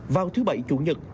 vào thứ bảy chủ nhật